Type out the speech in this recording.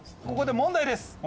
ここで問題です。